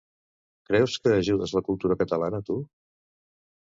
Creus que ajudes la cultura catalana, tu?